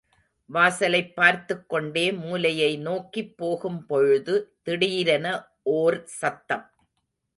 வாசலைப் பார்த்துக் கொண்டே மூலையை நோக்கிப் போகும் பொழுது திடீரென ஓர் சத்தம்.